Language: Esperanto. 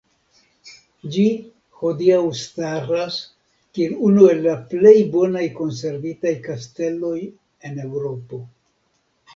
Ĝi hodiaŭ staras kiel unu el la plej bonaj konservitaj kasteloj en Eŭropo.